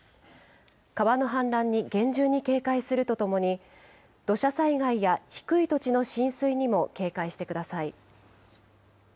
川の氾濫に厳重に警戒するとともに、土砂災害や低い土地の浸水にも警戒してください。